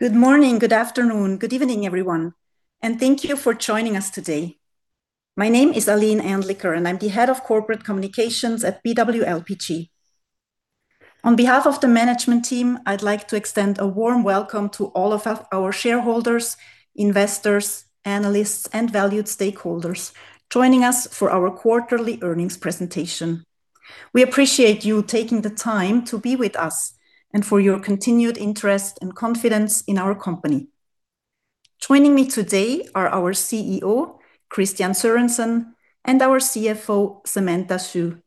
Good morning, good afternoon, good evening, everyone, and thank you for joining us today. My name is Aline Anliker, and I'm the Head of Corporate Communications at BW LPG. On behalf of the management team, I'd like to extend a warm welcome to all of our shareholders, investors, analysts, and valued stakeholders joining us for our quarterly earnings presentation. We appreciate you taking the time to be with us and for your continued interest and confidence in our company. Joining me today are our CEO, Kristian Sørensen, and our CFO, Samantha Xu,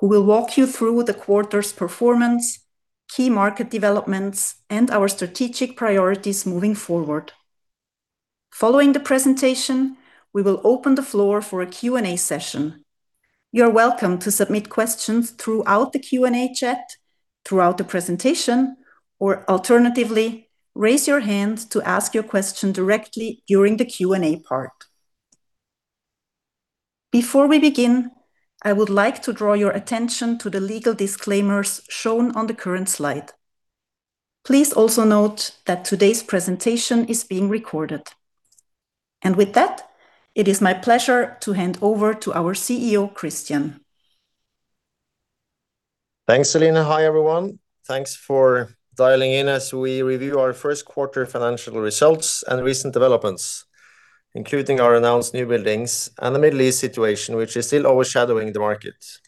who will walk you through the quarter's performance, key market developments, and our strategic priorities moving forward. Following the presentation, we will open the floor for a Q&A session. You are welcome to submit questions throughout the Q&A chat, throughout the presentation, or alternatively, raise your hand to ask your question directly during the Q&A part. Before we begin, I would like to draw your attention to the legal disclaimers shown on the current slide. Please also note that today's presentation is being recorded. With that, it is my pleasure to hand over to our CEO, Kristian. Thanks, Aline. Hi, everyone. Thanks for dialing in as we review our first quarter financial results and recent developments, including our announced newbuildings and the Middle East situation, which is still overshadowing the market.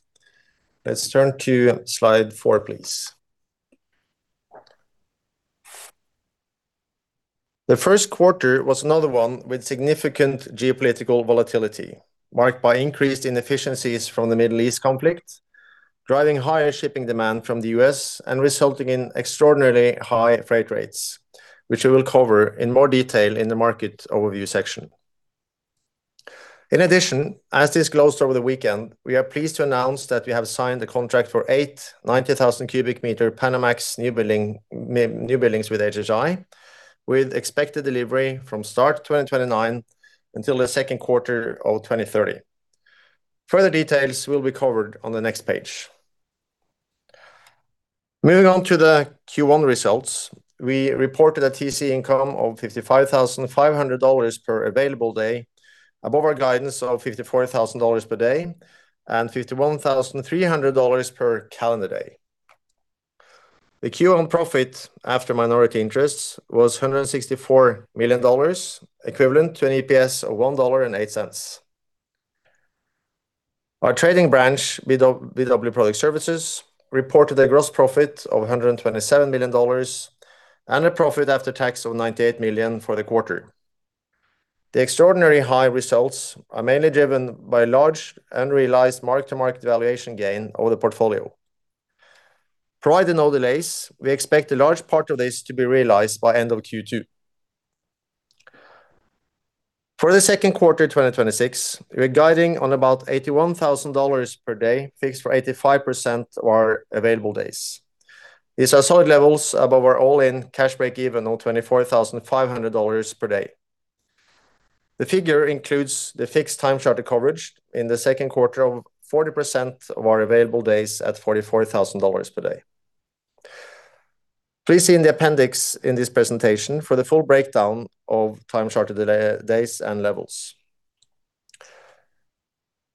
Let's turn to slide four, please. The first quarter was another one with significant geopolitical volatility, marked by increased inefficiencies from the Middle East conflict, driving higher shipping demand from the U.S., and resulting in extraordinarily high freight rates, which we will cover in more detail in the market overview section. As disclosed over the weekend, we are pleased to announce that we have signed a contract for eight 90,000 cu m Panamax newbuildings with HHI, with expected delivery from start 2029 until the second quarter of 2030. Further details will be covered on the next page. Moving on to the Q1 results. We reported a TC income of $55,500 per available day, above our guidance of $54,000 per day, and $51,300 per calendar day. The Q1 profit after minority interests was $164 million, equivalent to an EPS of $1.08. Our trading branch, BW Product Services, reported a gross profit of $127 million and a profit after tax of $98 million for the quarter. The extraordinarily high results are mainly driven by large unrealized mark-to-market valuation gain over the portfolio. Provided no delays, we expect a large part of this to be realized by end of Q2. For the second quarter 2026, we're guiding on about $81,000 per day, fixed for 85% of our available days. These are solid levels above our all-in cash breakeven of $24,500 per day. The figure includes the fixed time charter coverage in the second quarter of 40% of our available days at $44,000 per day. Please see in the appendix in this presentation for the full breakdown of time charter days and levels.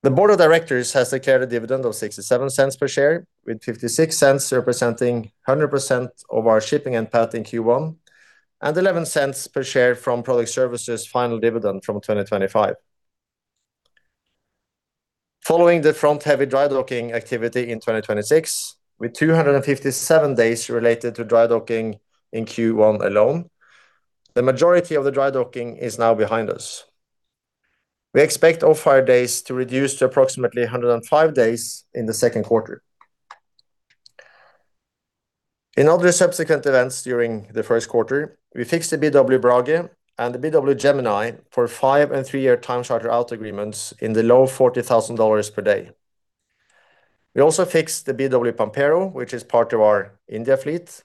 The board of directors has declared a dividend of $0.67 per share, with $0.56 representing 100% of our shipping and PAT in Q1 and $0.11 per share from product services' final dividend from 2025. Following the front-heavy drydocking activity in 2026, with 257 days related to drydocking in Q1 alone, the majority of the drydocking is now behind us. We expect off-hire days to reduce to approximately 105 days in the second quarter. In other subsequent events during the first quarter, we fixed the BW Brage and the BW Gemini for five and three-year time charter out agreements in the low $40,000 per day. We also fixed the BW Pampero, which is part of our India fleet,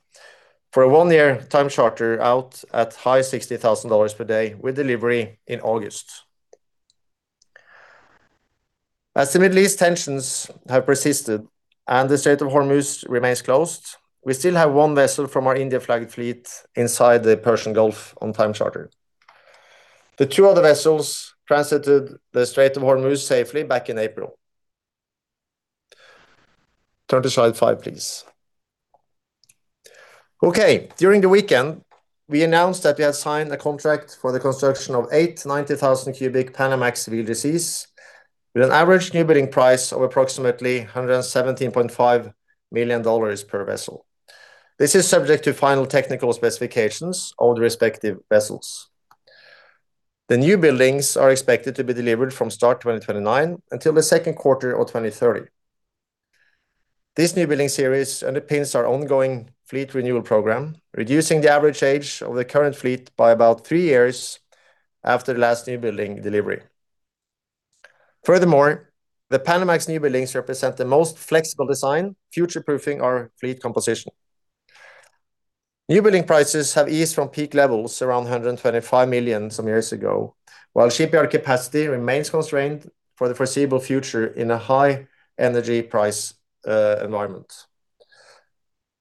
for a one-year time charter out at high $60,000 per day, with delivery in August. As the Middle East tensions have persisted and the Strait of Hormuz remains closed, we still have one vessel from our India fleet inside the Persian Gulf on time charter. The two other vessels transited the Strait of Hormuz safely back in April. Turn to slide five, please. Okay. During the weekend, we announced that we had signed a contract for the construction of eight 90,000 cu Panamax VLEC's, with an average new building price of approximately $117.5 million per vessel. This is subject to final technical specifications of the respective vessels. The new buildings are expected to be delivered from start 2029 until the second quarter of 2030. This new building series underpins our ongoing fleet renewal program, reducing the average age of the current fleet by about three years after the last new building delivery. Furthermore, the Panamax new buildings represent the most flexible design, future-proofing our fleet composition. New building prices have eased from peak levels around $125 million some years ago, while shipyard capacity remains constrained for the foreseeable future in a high energy price environment.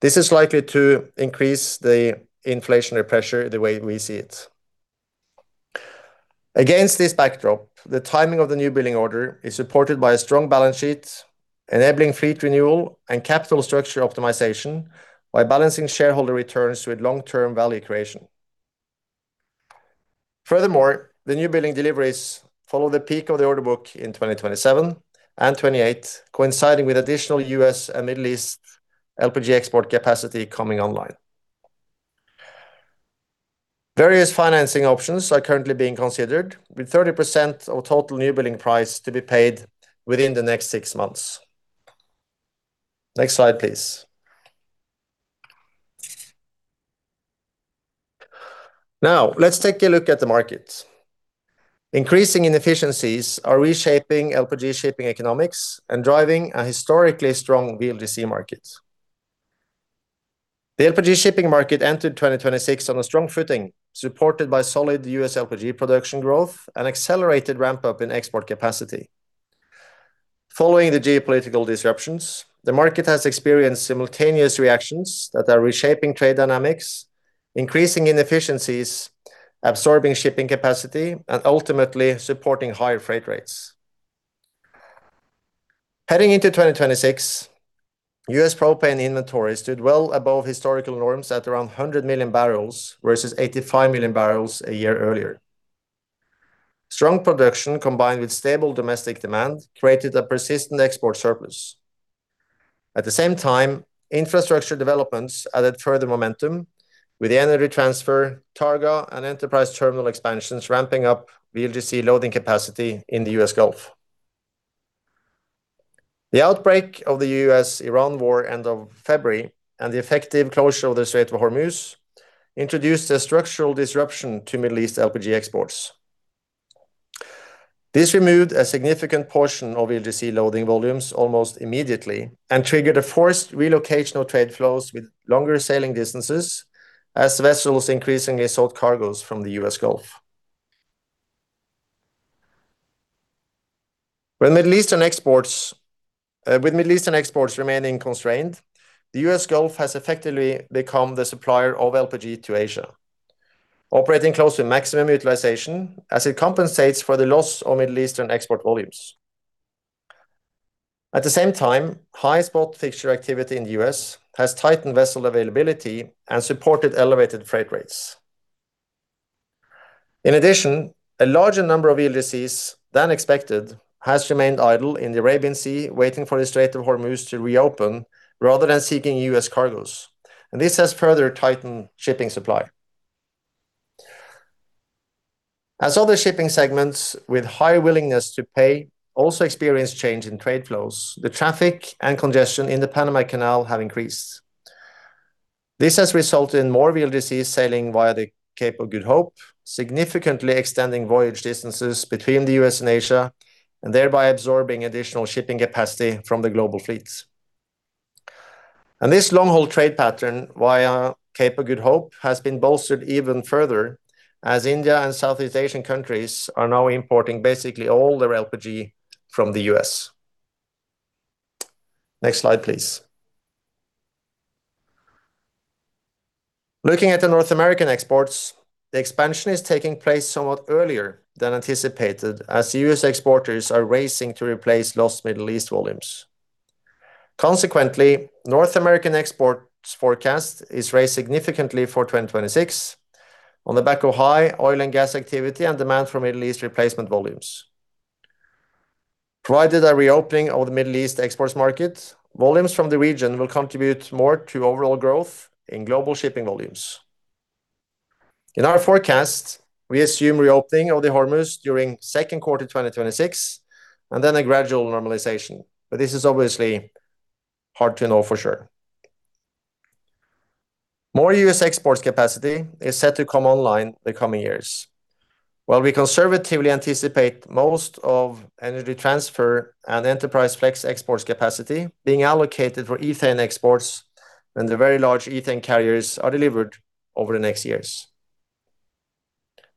This is likely to increase the inflationary pressure the way we see it. Against this backdrop, the timing of the new building order is supported by a strong balance sheet, enabling fleet renewal and capital structure optimization by balancing shareholder returns with long-term value creation. Furthermore, the new building deliveries follow the peak of the order book in 2027 and 2028, coinciding with additional U.S. and Middle East LPG export capacity coming online. Various financing options are currently being considered, with 30% of total new building price to be paid within the next six months. Next slide, please. Now, let's take a look at the market. Increasing inefficiencies are reshaping LPG shipping economics and driving a historically strong VLGC market. The LPG shipping market entered 2026 on a strong footing, supported by solid U.S. LPG production growth and accelerated ramp-up in export capacity. Following the geopolitical disruptions, the market has experienced simultaneous reactions that are reshaping trade dynamics, increasing inefficiencies, absorbing shipping capacity, and ultimately supporting higher freight rates. Heading into 2026, U.S. propane inventories stood well above historical norms at around 100 million barrels, versus 85 million barrels a year earlier. Strong production, combined with stable domestic demand, created a persistent export surplus. At the same time, infrastructure developments added further momentum with the Energy Transfer, Targa and Enterprise terminal expansions ramping up VLGC loading capacity in the U.S. Gulf. The outbreak of the U.S.-Iran war end of February and the effective closure of the Strait of Hormuz introduced a structural disruption to Middle East LPG exports. This removed a significant portion of VLGC loading volumes almost immediately and triggered a forced relocation of trade flows with longer sailing distances as vessels increasingly sought cargoes from the U.S. Gulf. With Middle Eastern exports remaining constrained, the U.S. Gulf has effectively become the supplier of LPG to Asia, operating close to maximum utilization as it compensates for the loss of Middle Eastern export volumes. At the same time, high spot fixture activity in the U.S. has tightened vessel availability and supported elevated freight rates. A larger number of VLGCs than expected has remained idle in the Arabian Sea, waiting for the Strait of Hormuz to reopen rather than seeking U.S. cargoes. This has further tightened shipping supply. As other shipping segments with higher willingness to pay also experience change in trade flows, the traffic and congestion in the Panama Canal have increased. This has resulted in more VLGCs sailing via the Cape of Good Hope, significantly extending voyage distances between the U.S. and Asia, and thereby absorbing additional shipping capacity from the global fleets. This long-haul trade pattern via Cape of Good Hope has been bolstered even further as India and Southeast Asian countries are now importing basically all their LPG from the U.S. Next slide, please. Looking at the North American exports, the expansion is taking place somewhat earlier than anticipated, as U.S. exporters are racing to replace lost Middle East volumes. Consequently, North American exports forecast is raised significantly for 2026 on the back of high oil and gas activity and demand for Middle East replacement volumes. Provided a reopening of the Middle East exports market, volumes from the region will contribute more to overall growth in global shipping volumes. In our forecast, we assume reopening of the Hormuz during second quarter 2026, and then a gradual normalization. This is obviously hard to know for sure. More U.S. exports capacity is set to come online the coming years. While we conservatively anticipate most of Energy Transfer and Enterprise Flex exports capacity being allocated for ethane exports when the very large ethane carriers are delivered over the next years.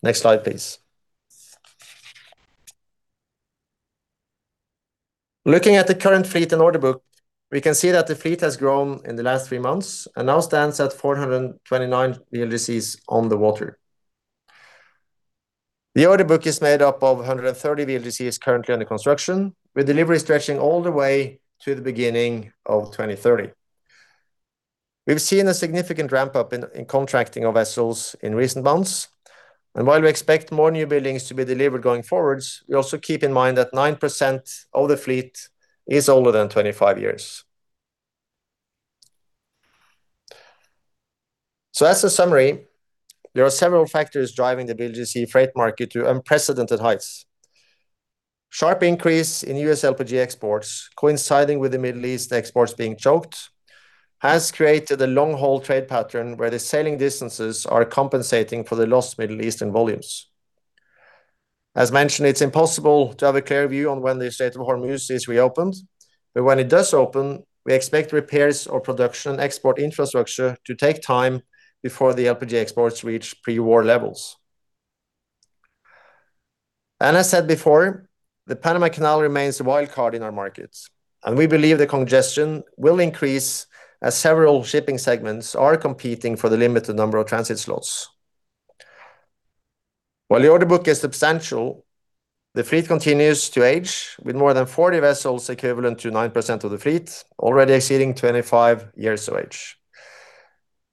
Next slide, please. Looking at the current fleet and order book, we can see that the fleet has grown in the last three months and now stands at 429 VLGCs on the water. The order book is made up of 130 VLGCs currently under construction, with delivery stretching all the way to the beginning of 2030. While we expect more new buildings to be delivered going forwards, we also keep in mind that 9% of the fleet is older than 25 years. As a summary, there are several factors driving the VLGC freight market to unprecedented heights. Sharp increase in U.S. LPG exports coinciding with the Middle East exports being choked has created a long-haul trade pattern where the sailing distances are compensating for the lost Middle Eastern volumes. As mentioned, it's impossible to have a clear view on when the Strait of Hormuz is reopened, but when it does open, we expect repairs or production export infrastructure to take time before the LPG exports reach pre-war levels. As said before, the Panama Canal remains a wildcard in our markets, and we believe the congestion will increase as several shipping segments are competing for the limited number of transit slots. While the order book is substantial, the fleet continues to age, with more than 40 vessels, equivalent to 9% of the fleet, already exceeding 25 years of age.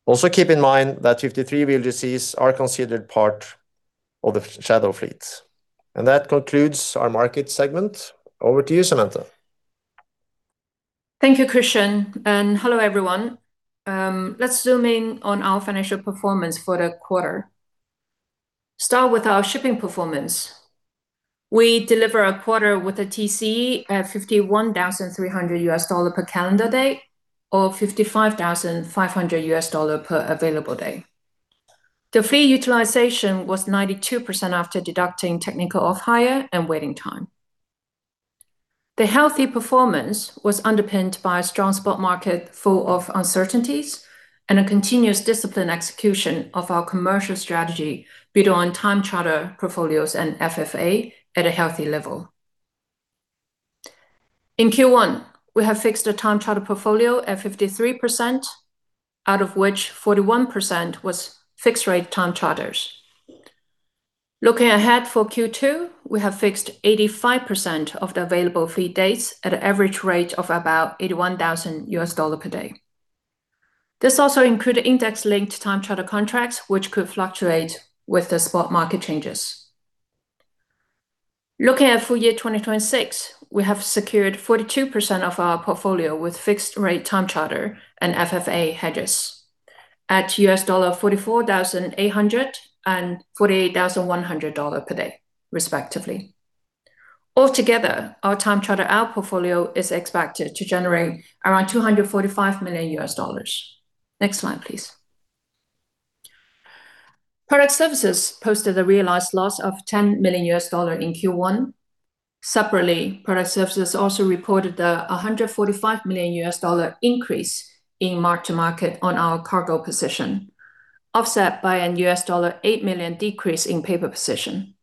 Also keep in mind that 53 VLGCs are considered part of the shadow fleet. That concludes our market segment. Over to you, Samantha. Thank you, Kristian. Hello, everyone. Let's zoom in on our financial performance for the quarter. Start with our shipping performance. We deliver a quarter with a TC at $51,300 per calendar day or $55,500 per available day. The fleet utilization was 92% after deducting technical off-hire and waiting time. The healthy performance was underpinned by a strong spot market full of uncertainties and a continuous disciplined execution of our commercial strategy bid on time charter portfolios and FFA at a healthy level. In Q1, we have fixed the time charter portfolio at 53%, out of which 41% was fixed rate time charters. Looking ahead for Q2, we have fixed 85% of the available fleet dates at an average rate of about $81,000 per day. This also included index-linked time charter contracts, which could fluctuate with the spot market changes. Looking at full year 2026, we have secured 42% of our portfolio with fixed-rate time charter and FFA hedges at $44,800 and $48,100 per day respectively. Altogether, our time charter out portfolio is expected to generate around $245 million. Next slide, please. Product services posted a realized loss of $10 million in Q1. Separately, Product services also reported a $145 million increase in mark-to-market on our cargo position, offset by a $8 million decrease in paper position.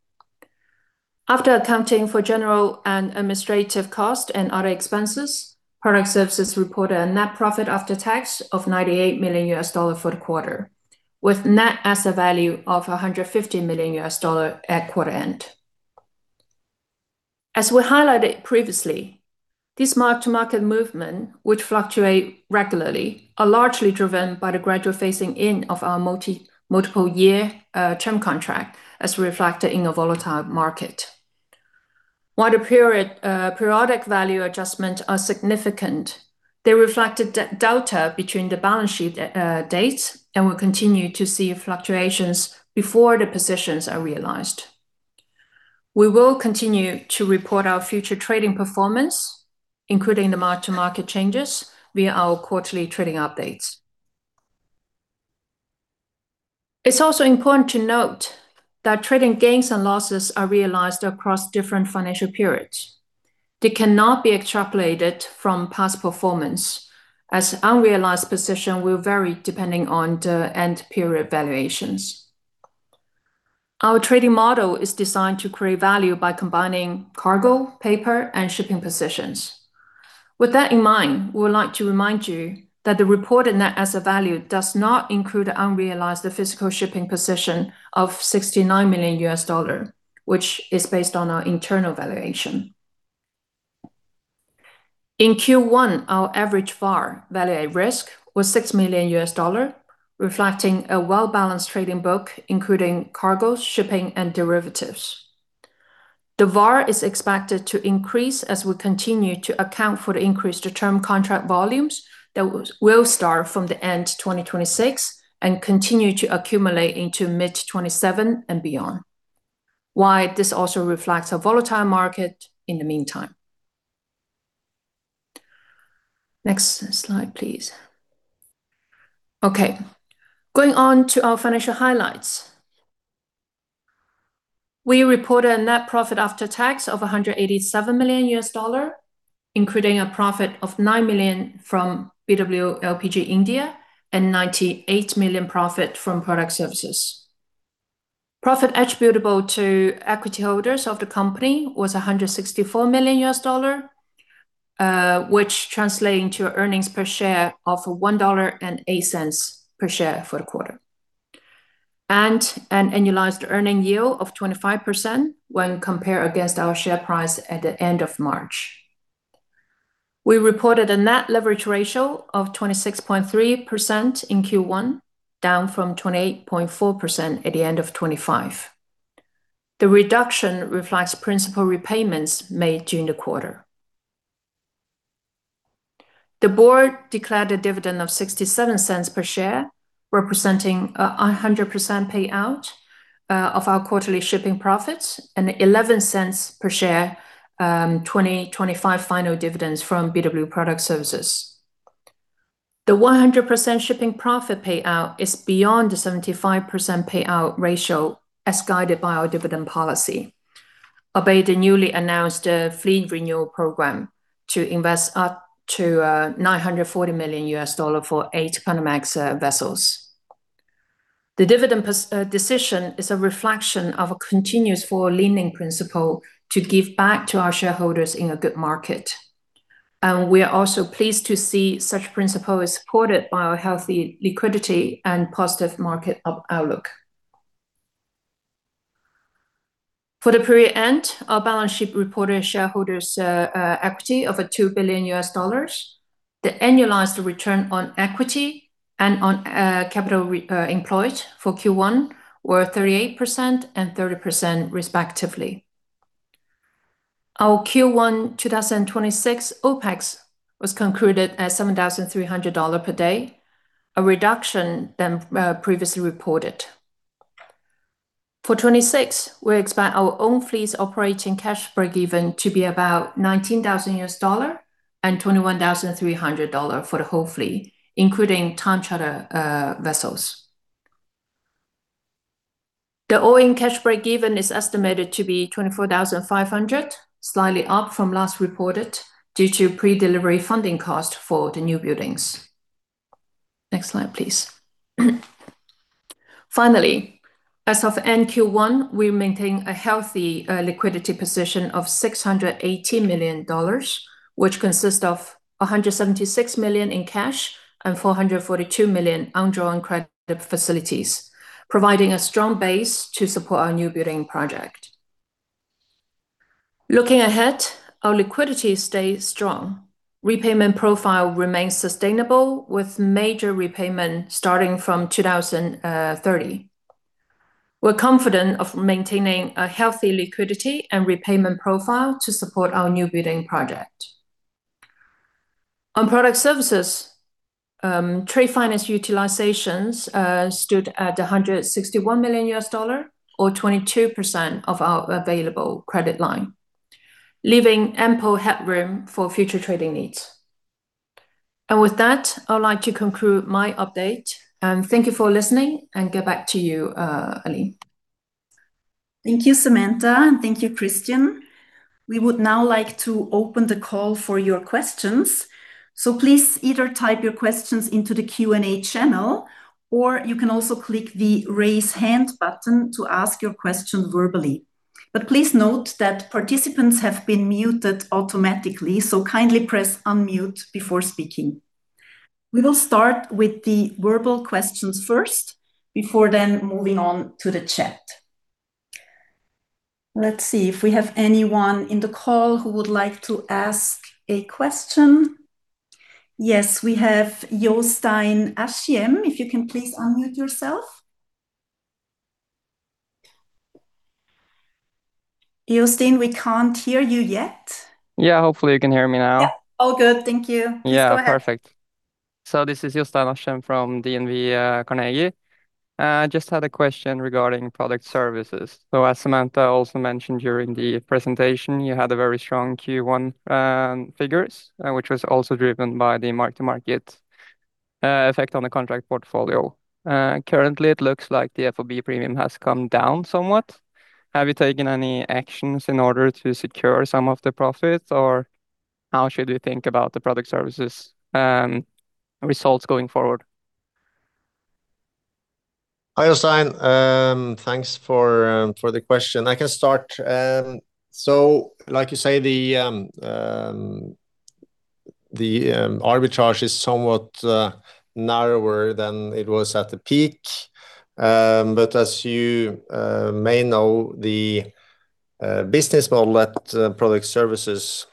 After accounting for general and administrative cost and other expenses, product services reported a net profit after tax of $98 million for the quarter, with net asset value of $150 million at quarter end. As we highlighted previously, this mark-to-market movement, which fluctuate regularly, are largely driven by the gradual phasing in of our multiple-year term contract as reflected in a volatile market. While the periodic value adjustment are significant, they reflect a delta between the balance sheet dates, and we'll continue to see fluctuations before the positions are realized. We will continue to report our future trading performance, including the mark-to-market changes, via our quarterly trading updates. It's also important to note that trading gains and losses are realized across different financial periods. They cannot be extrapolated from past performance, as unrealized position will vary depending on the end period valuations. Our trading model is designed to create value by combining cargo, paper, and shipping positions. With that in mind, we would like to remind you that the reported net asset value does not include the unrealized physical shipping position of $69 million, which is based on our internal valuation. In Q1, our average VaR, value at risk, was $6 million U.S., reflecting a well-balanced trading book, including cargo, shipping, and derivatives. The VaR is expected to increase as we continue to account for the increased term contract volumes that will start from the end of 2026 and continue to accumulate into mid 2027 and beyond, while this also reflects a volatile market in the meantime. Next slide, please. Okay. Going on to our financial highlights. We reported a net profit after tax of $187 million U.S., including a profit of $9 million from BW LPG India and $98 million profit from BW Product Services. Profit attributable to equity holders of the company was $164 million U.S., which translates into earnings per share of $1.08 per share for the quarter, and an annualized earning yield of 25% when compared against our share price at the end of March. We reported a net leverage ratio of 26.3% in Q1, down from 28.4% at the end of 2025. The reduction reflects principal repayments made during the quarter. The board declared a dividend of $0.67 per share, representing 100% payout of our quarterly shipping profits and $0.11 per share 2025 final dividends from BW product services. The 100% shipping profit payout is beyond the 75% payout ratio as guided by our dividend policy, obey the newly announced fleet renewal program to invest up to $940 million for eight Panamax vessels. The dividend decision is a reflection of a continuous forward leaning principle to give back to our shareholders in a good market. We are also pleased to see such principle is supported by a healthy liquidity and positive market outlook. For the period end, our balance sheet reported shareholders' equity of $2 billion. The annualized return on equity and on capital employed for Q1 were 38% and 30% respectively. Our Q1 2026 OPEX was concluded at $7,300 per day, a reduction than previously reported. For 2026, we expect our own fleets operating cash breakeven to be about $19,000, and $21,300 for the whole fleet, including time charter vessels. The all-in cash breakeven is estimated to be $24,500, slightly up from last reported, due to pre-delivery funding cost for the newbuildings. Next slide, please. Finally, as of end Q1, we maintain a healthy liquidity position of $680 million, which consists of $176 million in cash and $442 million undrawn credit facilities, providing a strong base to support our new building project. Looking ahead, our liquidity stays strong. Repayment profile remains sustainable, with major repayment starting from 2030. We're confident of maintaining a healthy liquidity and repayment profile to support our new building project. On Product Services, trade finance utilizations stood at $161 million, or 22% of our available credit line, leaving ample headroom for future trading needs. With that, I would like to conclude my update. Thank you for listening, get back to you, Aline. Thank you, Samantha, and thank you, Kristian. We would now like to open the call for your questions. Please either type your questions into the Q&A channel, or you can also click the raise hand button to ask your question verbally. Please note that participants have been muted automatically, so kindly press unmute before speaking. We will start with the verbal questions first, before then moving on to the chat. Let's see if we have anyone in the call who would like to ask a question. Yes, we have Jostein Aschjem, if you can please unmute yourself. Jostein, we can't hear you yet. Yeah, hopefully you can hear me now. Yeah. All good. Thank you. Yeah. Go ahead. Perfect. This is Jostein Aschjem from DNB Carnegie. I just had a question regarding product services. As Samantha also mentioned during the presentation, you had very strong Q1 figures, which was also driven by the mark-to-market effect on the contract portfolio. Currently it looks like the FOB premium has come down somewhat. Have you taken any actions in order to secure some of the profits, or how should we think about the Product Services results going forward? Hi, Jostein. Thanks for the question. I can start. Like you say, the arbitrage is somewhat narrower than it was at the peak. As you may know, the business model that Product Services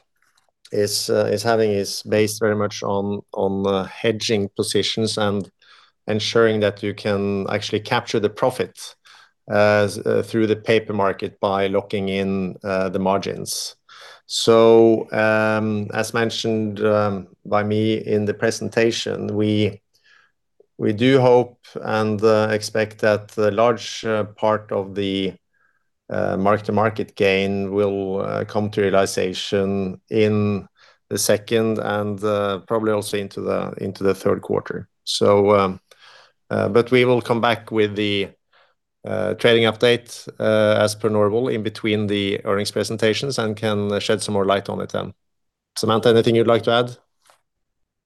is having is based very much on the hedging positions and ensuring that you can actually capture the profit through the paper market by locking in the margins. As mentioned by me in the presentation, we do hope and expect that a large part of the mark-to-market gain will come to realization in the second and probably also into the third quarter. We will come back with the trading update as per normal in between the earnings presentations and can shed some more light on it then. Samantha, anything you'd like to add?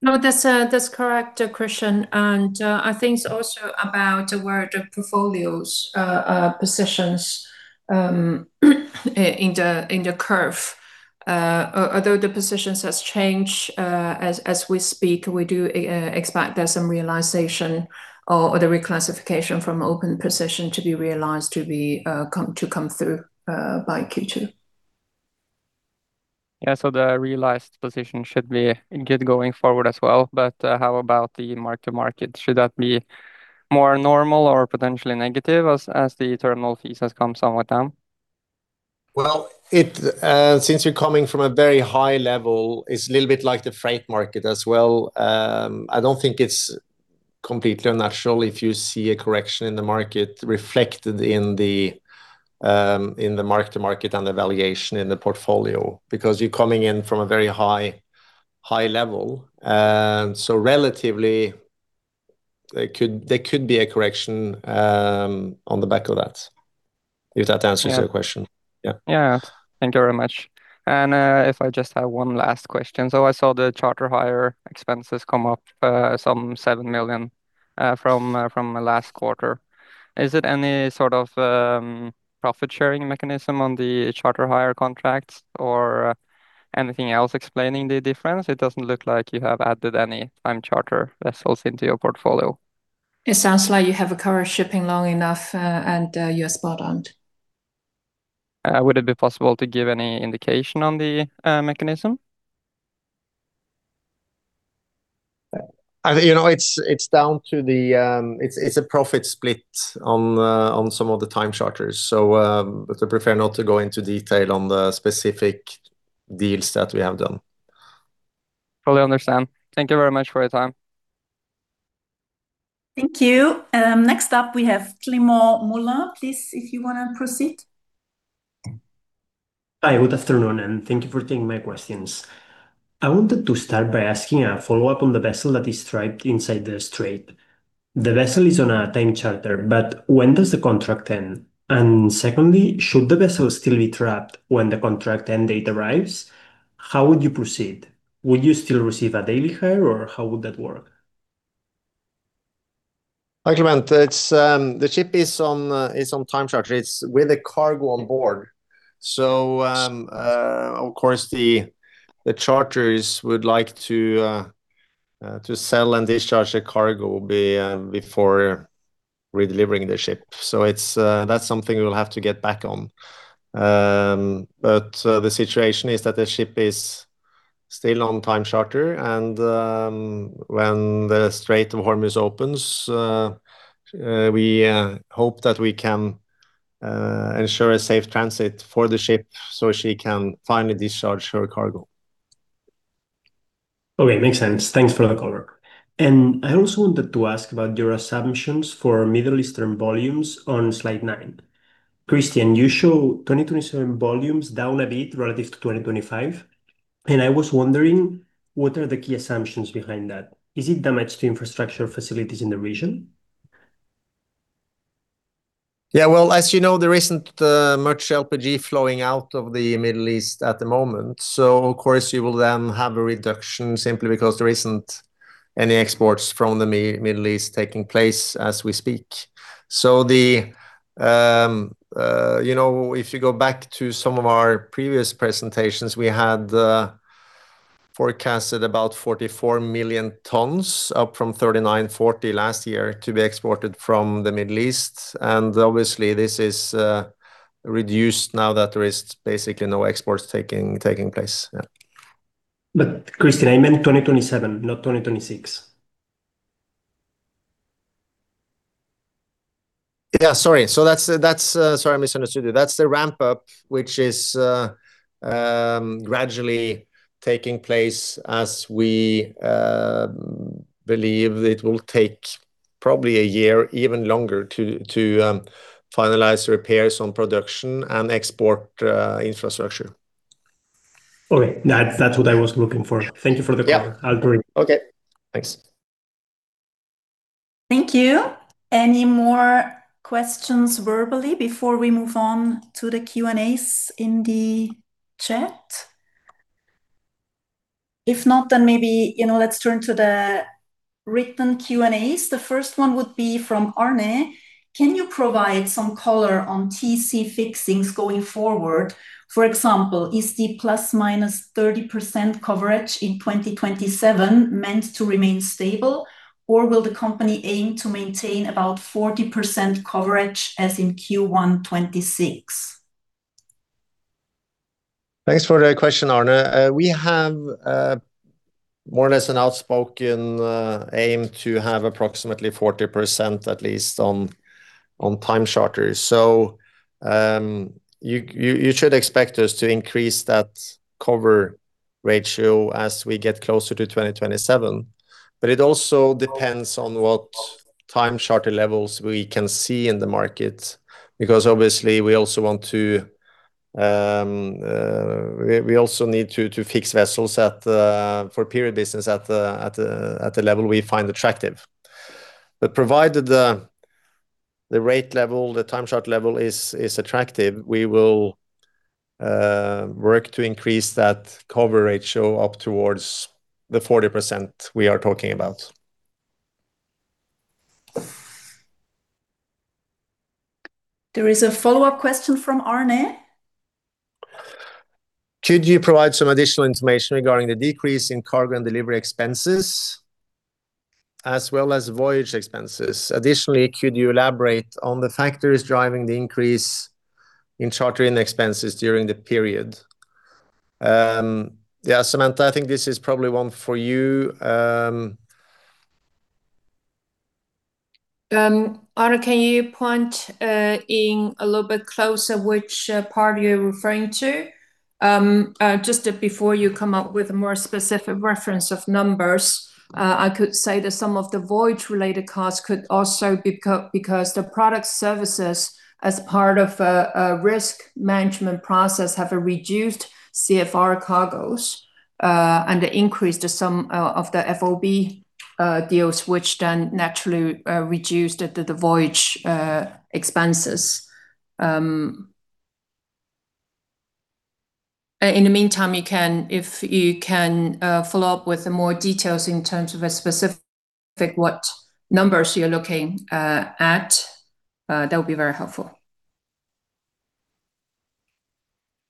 No, that's correct, Kristian, I think it's also about where the portfolio's positions in the curve. Although the positions have changed as we speak, we do expect there's some realization or the reclassification from open position to be realized to come through by Q2. Yeah, the realized position should be good going forward as well. How about the mark-to-market? Should that be more normal or potentially negative as the terminal fees has come somewhat down? Well, since you're coming from a very high level, it's a little bit like the freight market as well. I don't think it's completely unnatural if you see a correction in the market reflected in the mark-to-market and the valuation in the portfolio, because you're coming in from a very high level. Relatively, there could be a correction on the back of that. If that answers your question. Yeah. Thank you very much. If I just have one last question. I saw the charter hire expenses come up some $7 million from last quarter. Is it any sort of profit sharing mechanism on the charter hire contracts or anything else explaining the difference? It doesn't look like you have added any time charter vessels into your portfolio. It sounds like you have covered shipping long enough, and you are spot on. Would it be possible to give any indication on the mechanism? It's a profit split on some of the time charters. I prefer not to go into detail on the specific deals that we have done. Totally understand. Thank you very much for your time. Thank you. Next up we have Climent Molins. Please, if you want to proceed. Hi. Good afternoon, and thank you for taking my questions. I wanted to start by asking a follow-up on the vessel that is trapped inside the strait. The vessel is on a time charter, but when does the contract end? Secondly, should the vessel still be trapped when the contract end date arrives, how would you proceed? Would you still receive a daily hire, or how would that work? Hi, Climent. The ship is on time charter. It's with a cargo on board. Of course, the charters would like to sell and discharge the cargo before redelivering the ship. That's something we'll have to get back on. The situation is that the ship is still on time charter, and when the Strait of Hormuz opens, we hope that we can ensure a safe transit for the ship so she can finally discharge her cargo. Okay. Makes sense. Thanks for the color. I also wanted to ask about your assumptions for Middle Eastern volumes on slide nine. Kristian, you show 2027 volumes down a bit relative to 2025, I was wondering, what are the key assumptions behind that? Is it damage to infrastructure facilities in the region? Yeah. Well, as you know, there isn't much LPG flowing out of the Middle East at the moment. Of course, you will then have a reduction simply because there isn't any exports from the Middle East taking place as we speak. If you go back to some of our previous presentations, we had forecasted about 44 million tons, up from 39, 40 last year, to be exported from the Middle East. Obviously this is reduced now that there is basically no exports taking place. Yeah. Kristian, I meant 2027, not 2026. Yeah, sorry. Sorry, I misunderstood you. That's the ramp-up, which is gradually taking place as we believe it will take probably a year, even longer, to finalize repairs on production and export infrastructure. Okay. That's what I was looking for. Thank you for the call. Yeah. I'll bring it. Okay. Thanks. Thank you. Any more questions verbally before we move on to the Q&As in the chat? If not, maybe let's turn to the written Q&As. The first one would be from Arne. Can you provide some color on TC fixings going forward? For example, is the plus/minus 30% coverage in 2027 meant to remain stable, or will the company aim to maintain about 40% coverage as in Q1 2026? Thanks for the question, Arne. We have more or less an outspoken aim to have approximately 40%, at least on time charters. You should expect us to increase that cover ratio as we get closer to 2027. It also depends on what time charter levels we can see in the market, because obviously we also need to fix vessels for period business at the level we find attractive. Provided the time charter level is attractive, we will work to increase that cover ratio up towards the 40% we are talking about. There is a follow-up question from Arne. Could you provide some additional information regarding the decrease in cargo and delivery expenses, as well as voyage expenses? Could you elaborate on the factors driving the increase in charter-in expenses during the period? Yeah, Samantha, I think this is probably one for you. Arne, can you point in a little bit closer which part you're referring to? Just before you come up with a more specific reference of numbers, I could say that some of the voyage related costs could also be because the BW Product Services, as part of a risk management process, have a reduced CFR cargoes, and they increased the sum of the FOB. Deals which then naturally reduced the voyage expenses. In the meantime, if you can follow up with more details in terms of a specific what numbers you're looking at, that would be very helpful.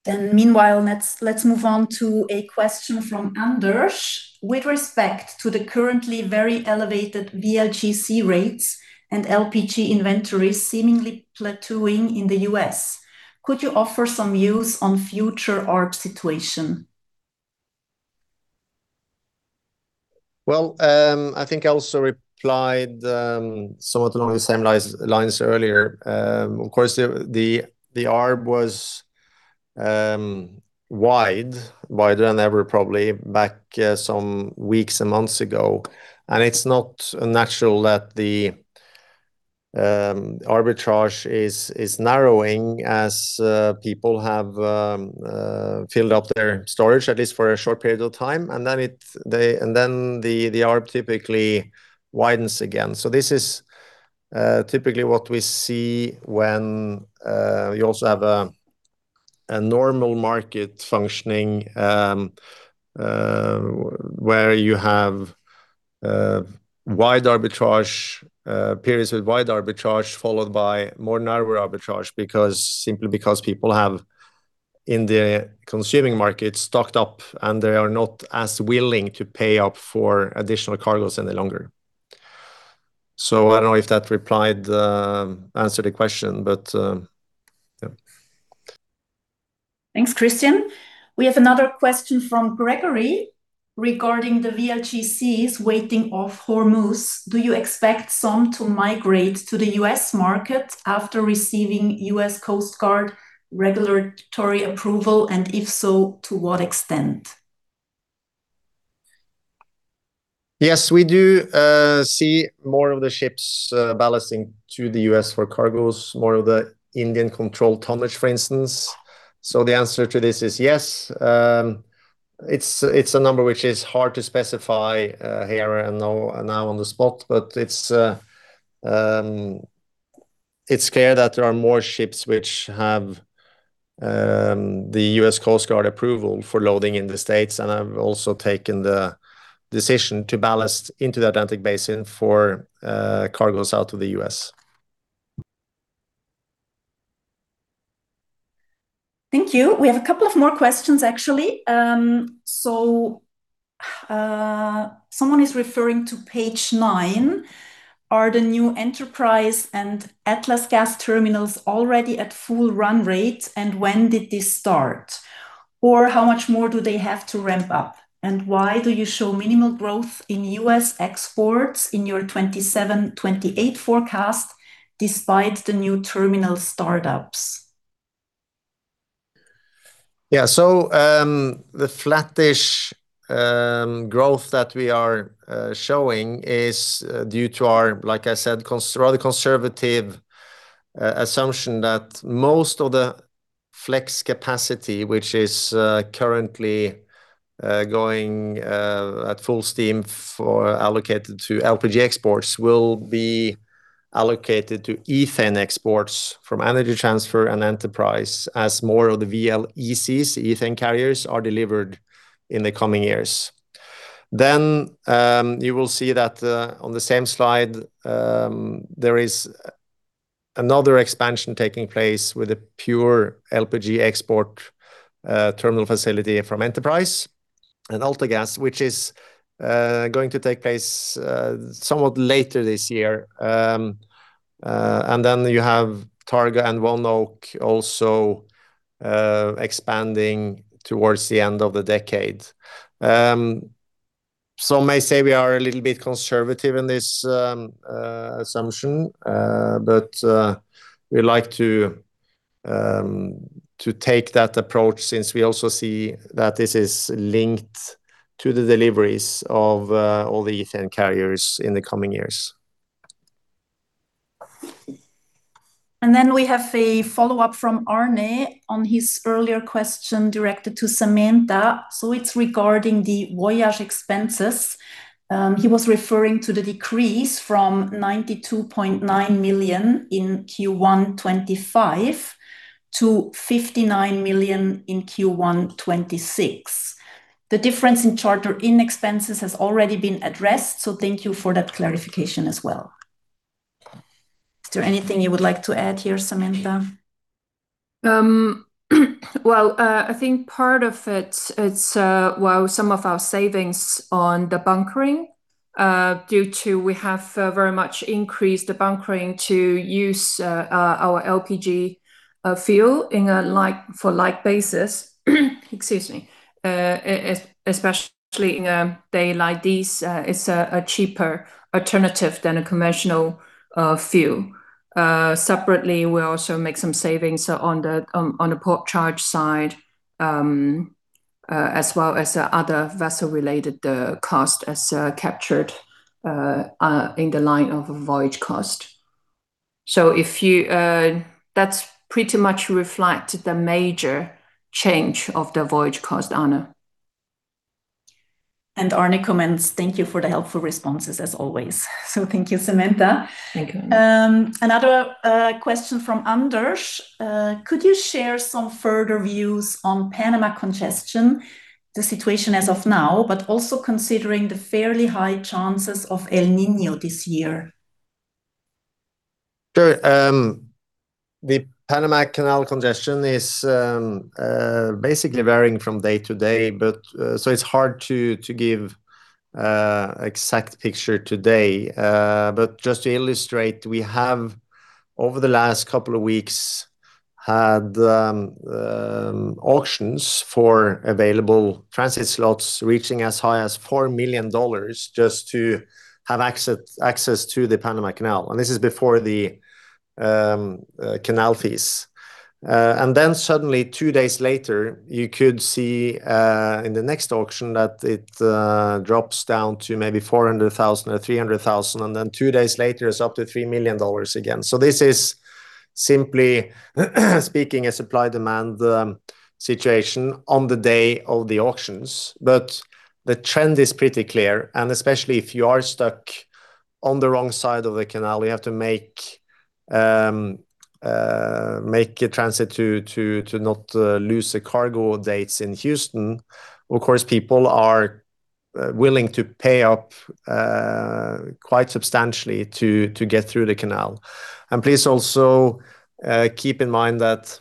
Meanwhile, let's move on to a question from Anders. With respect to the currently very elevated VLGC rates and LPG inventories seemingly plateauing in the U.S., could you offer some views on future arb situation? Well, I think I also replied somewhat along the same lines earlier. Of course, the arb was wide, wider than ever, probably back some weeks and months ago. It's not unnatural that the arbitrage is narrowing as people have filled up their storage, at least for a short period of time, and then the arb typically widens again. This is typically what we see when you also have a normal market functioning, where you have periods with wide arbitrage, followed by more narrower arbitrage, simply because people have, in the consuming market, stocked up, and they are not as willing to pay up for additional cargoes any longer. I don't know if that answered the question, but yeah. Thanks, Kristian. We have another question from Gregory regarding the VLGCs waiting off Hormuz. Do you expect some to migrate to the U.S. market after receiving U.S. Coast Guard regulatory approval, and if so, to what extent? Yes, we do see more of the ships ballasting to the U.S. for cargoes, more of the Indian-controlled tonnage, for instance. The answer to this is yes. It's a number which is hard to specify here and now on the spot, but it's clear that there are more ships which have the U.S. Coast Guard approval for loading in the States and have also taken the decision to ballast into the Atlantic Basin for cargoes out of the U.S. Thank you. We have a couple of more questions, actually. Someone is referring to page nine. Are the new Enterprise and AltaGas terminals already at full run rates, and when did this start? How much more do they have to ramp up? Why do you show minimal growth in U.S. exports in your 2027-2028 forecast despite the new terminal startups? Yeah, the flattish growth that we are showing is due to our, like I said, rather conservative assumption that most of the flex capacity, which is currently going at full steam for allocated to LPG exports, will be allocated to ethane exports from Energy Transfer and Enterprise as more of the VLEC ethane carriers are delivered in the coming years. You will see that on the same slide, there is another expansion taking place with a pure LPG export terminal facility from Enterprise and AltaGas, which is going to take place somewhat later this year. You have Targa and ONEOK also expanding towards the end of the decade. Some may say we are a little bit conservative in this assumption, but we like to take that approach since we also see that this is linked to the deliveries of all the ethane carriers in the coming years. We have a follow-up from Arne on his earlier question directed to Samantha. It's regarding the voyage expenses. He was referring to the decrease from $92.9 million in Q1 2025 to $59 million in Q1 2026. The difference in charter-in expenses has already been addressed. Thank you for that clarification as well. Is there anything you would like to add here, Samantha? I think part of it's some of our savings on the bunkering, due to we have very much increased the bunkering to use our LPG fuel for like basis. Excuse me. Especially in a day like this, it's a cheaper alternative than a conventional fuel. Separately, we also make some savings on the port charge side, as well as other vessel-related cost as captured in the line of voyage cost. That pretty much reflects the major change of the voyage cost, Arne. Arne comments, "Thank you for the helpful responses as always." Thank you, Samantha. Thank you. Another question from Anders, "Could you share some further views on Panama congestion, the situation as of now, but also considering the fairly high chances of El Niño this year? Sure. The Panama Canal congestion is basically varying from day to day, so it's hard to give an exact picture today. Just to illustrate, we have, over the last couple of weeks, had auctions for available transit slots reaching as high as $4 million just to have access to the Panama Canal, and this is before the canal fees. Suddenly, two days later, you could see in the next auction that it drops down to maybe $400,000 or $300,000, and then two days later, it's up to $3 million again. This is simply speaking a supply-demand situation on the day of the auctions. The trend is pretty clear, and especially if you are stuck on the wrong side of the canal, you have to make a transit to not lose the cargo dates in Houston. Of course, people are willing to pay up quite substantially to get through the canal. Please also keep in mind that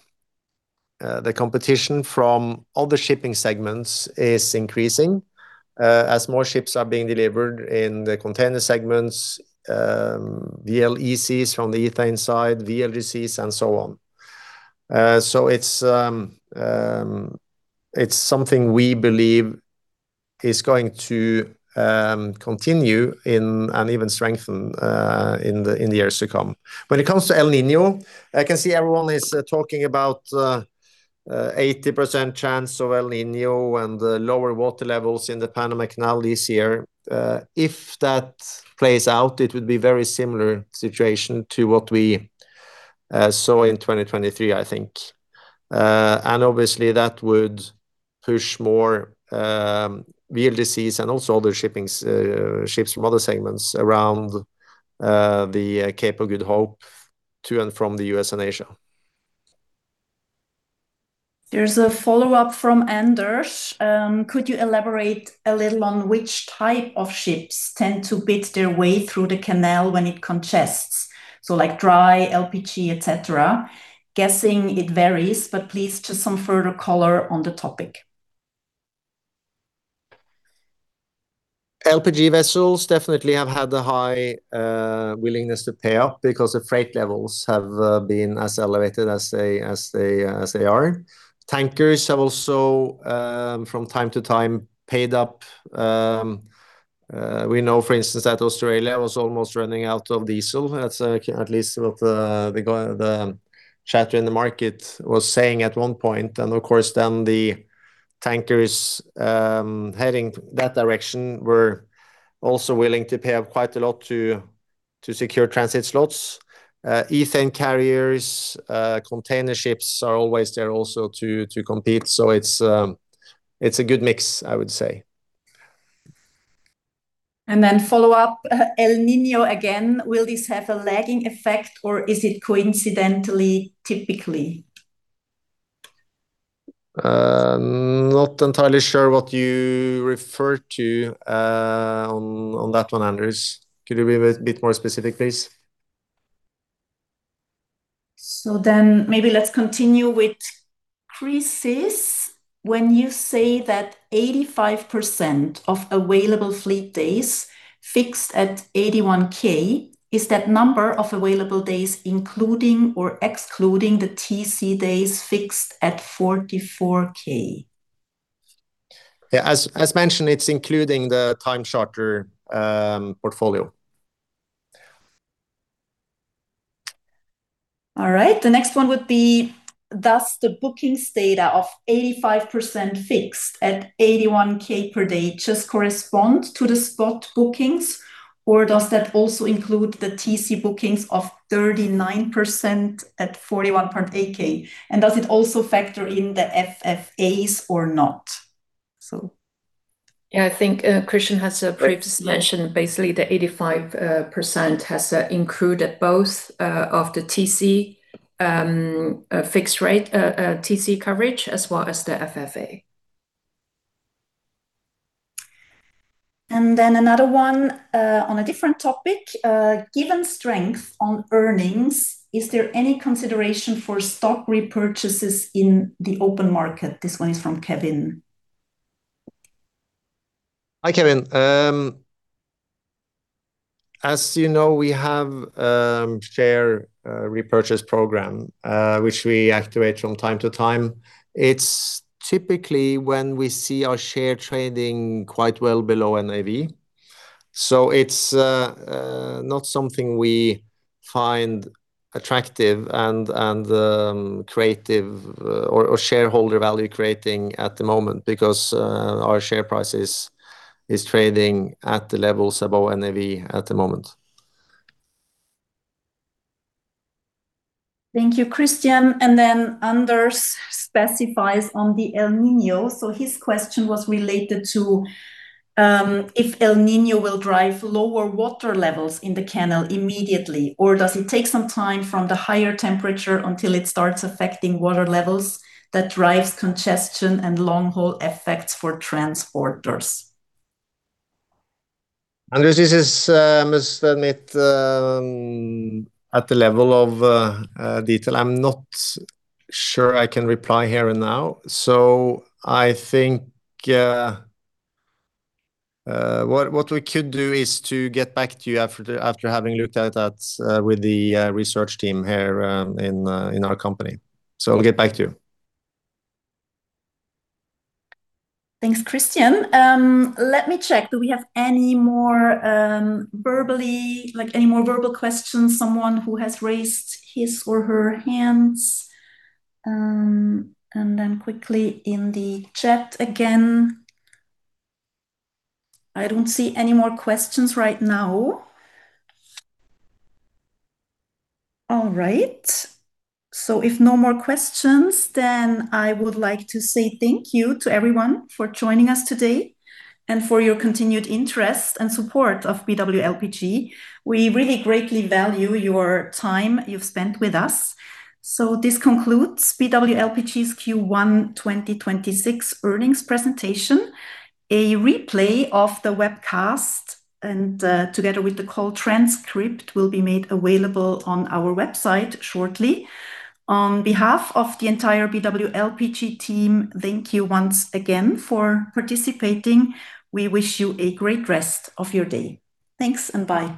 the competition from other shipping segments is increasing as more ships are being delivered in the container segments, VLGC from the ethane side, VLGCs, and so on. It's something we believe is going to continue and even strengthen in the years to come. When it comes to El Niño, I can see everyone is talking about 80% chance of El Niño and the lower water levels in the Panama Canal this year. If that plays out, it would be very similar situation to what we saw in 2023, I think. Obviously, that would push more VLGCs and also other ships from other segments around the Cape of Good Hope to and from the U.S. and Asia. There's a follow-up from Anders. "Could you elaborate a little on which type of ships tend to bid their way through the canal when it congests?" Dry, LPG, et cetera. Guessing it varies, but please, just some further color on the topic. LPG vessels definitely have had the high willingness to pay up because the freight levels have been as elevated as they are. Tankers have also, from time to time, paid up. We know, for instance, that Australia was almost running out of diesel. That's at least what the chatter in the market was saying at one point. Of course then, the tankers heading that direction were also willing to pay up quite a lot to secure transit slots. Ethane carriers, container ships are always there also to compete. It's a good mix, I would say. Follow-up, El Niño again. "Will this have a lagging effect, or is it coincidentally, typically? Not entirely sure what you refer to on that one, Anders. Could you be a bit more specific, please? Maybe let's continue with Kris'. When you say that 85% of available fleet days fixed at $81,000, is that number of available days including or excluding the TC days fixed at $44,000? Yeah. As mentioned, it's including the time charter portfolio. All right. The next one would be, "Does the bookings data of 85% fixed at $81,000 per day just correspond to the spot bookings, or does that also include the TC bookings of 39% at $41,800? Does it also factor in the FFAs or not? Yeah, I think Kristian has previously mentioned basically the 85% has included both of the fixed rate TC coverage as well as the FFA. Another one on a different topic. "Given strength on earnings, is there any consideration for stock repurchases in the open market?" This one is from Kevin. Hi, Kevin. As you know, we have a share repurchase program, which we activate from time to time. It's typically when we see our share trading quite well below NAV. It's not something we find attractive and creative or shareholder value-creating at the moment because our share price is trading at the levels above NAV at the moment. Thank you, Kristian. Anders specifies on the El Niño. His question was related to if El Niño will drive lower water levels in the canal immediately, or does it take some time from the higher temperature until it starts affecting water levels that drives congestion and long-haul effects for transporters? Anders, this is must meet At the level of detail, I'm not sure I can reply here and now. I think what we could do is to get back to you after having looked at that with the research team here in our company. We'll get back to you. Thanks, Kristian. Let me check. Do we have any more verbal questions, someone who has raised his or her hands? Then quickly in the chat again. I don't see any more questions right now. All right. If no more questions, then I would like to say thank you to everyone for joining us today and for your continued interest and support of BW LPG. We really greatly value your time you've spent with us. This concludes BW LPG's Q1 2026 earnings presentation. A replay of the webcast and together with the call transcript will be made available on our website shortly. On behalf of the entire BW LPG team, thank you once again for participating. We wish you a great rest of your day. Thanks and bye